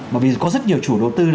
bởi vì có rất nhiều chủ đầu tư